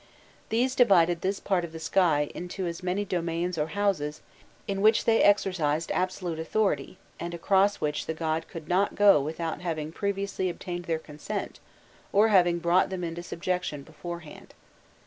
These divided this part of the sky into as many domains or "houses," in which they exercised absolute authority, and across which the god could not go without having previously obtained their consent, or having brought them into subjection beforehand.